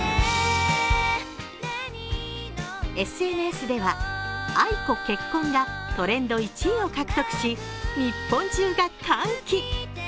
ＳＮＳでは「ａｉｋｏ結婚」がトレンド１位を獲得し日本中が歓喜。